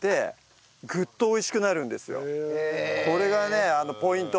これがねポイント。